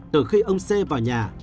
từ khi ông c vào nhà